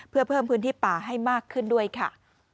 เพื่อเพิ่มพื้นที่ป่าให้มากขึ้นด้วยค่ะ